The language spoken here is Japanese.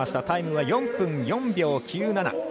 タイムは４分４秒９７。